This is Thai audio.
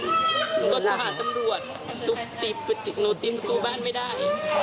หนูก็โทรหาตำรวจทุบตีหนูตีประตูบ้านไม่ได้